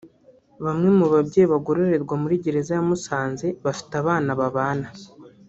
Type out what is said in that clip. Bamwe mu babyeyi bagororerwa muri Gereza ya Musanze bafite abana babana